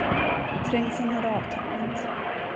Trängseln hade avtagit.